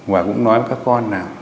và cũng nói với các con là